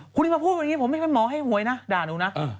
คุณมาพูดแบบนี้ผมไม่เป็นหมอให้หวยนะด่าหนูนะ